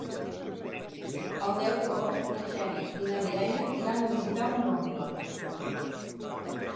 El deu d'agost na Xènia i na Mireia iran a visitar mon oncle.